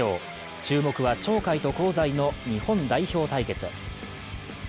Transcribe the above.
注目は鳥海と香西の日本代表対決。